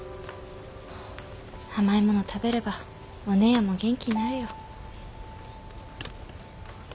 甘いもの食べればお姉やんも元気になるよ。